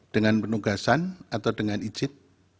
dengan penugasan atau dengan izin